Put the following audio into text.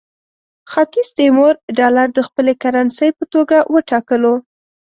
ختیځ تیمور ډالر د خپلې کرنسۍ په توګه وټاکلو.